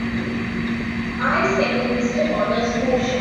I second Mr. Potter's motion.